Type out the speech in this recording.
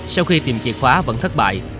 sau khi tìm chìa khóa vẫn thất bại